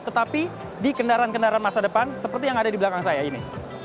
tetapi di kendaraan kendaraan masa depan seperti yang ada di belakang saya ini